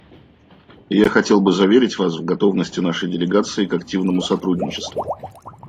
Я хотел бы заверить Вас в готовности нашей делегации к активному сотрудничеству.